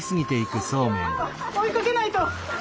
追いかけないと。